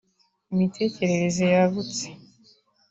Imitekerereze yagutse